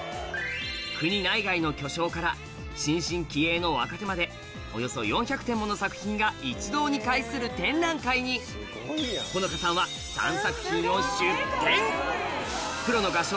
国内外の巨匠から新進気鋭の若手までおよそ４００点もの作品が一堂に会する展覧会にＣｏｎｏｃａさんは３作品を出展！